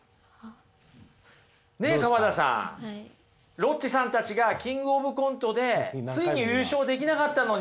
ロッチさんたちが「キングオブコント」でついに優勝できなかったのに。